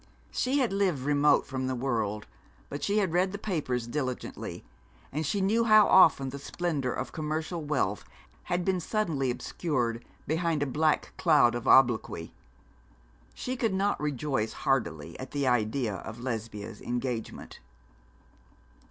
She had lived remote from the world, but she had read the papers diligently, and she knew how often the splendour of commercial wealth has been suddenly obscured behind a black cloud of obloquy. She could not rejoice heartily at the idea of Lesbia's engagement.